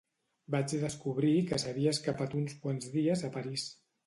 Vaig descobrir que s’havia escapat uns quants dies a París.